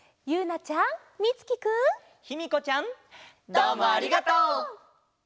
どうもありがとう！